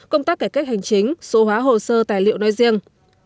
công tác cải cách hành chính số hóa hồ sơ tài liệu nói riêng